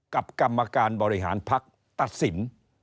กับกรรมการบริหารภักดิ์ตัดสิน